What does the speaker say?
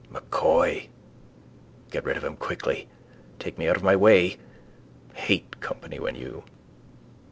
M'Coy. Get rid of him quickly. Take me out of my way. Hate company when you.